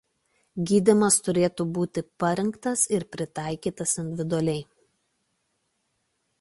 Gydymas turėtų būti parinktas ir pritaikytas individualiai.